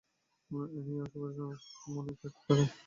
এ নিয়ে সবার মনেই খেদ থাকে।